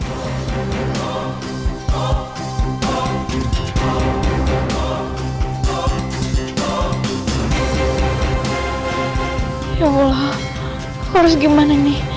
insya allah harus gimana nih